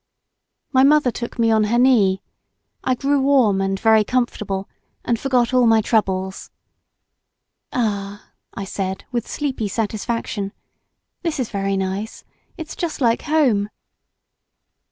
My mother took me on her knee. I grew warm and very comfortable and forgot all my troubles. "Ah," I said, with sleepy satisfaction "this is very nice; it's just like home."